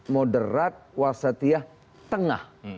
moderat wasatiyah tengah